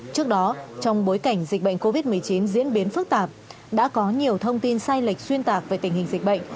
trước đó trong bối cảnh dịch bệnh covid một mươi chín diễn biến phức tạp đã có nhiều thông tin sai lệch xuyên tạc về tình hình dịch bệnh